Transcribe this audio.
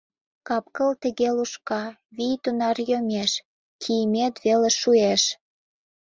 Капкыл тыге лушка, вий тунар йомеш — кийымет веле шуэш.